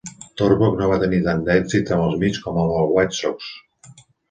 Torborg no va tenir tant d'èxit amb el Mets com amb el White Sox.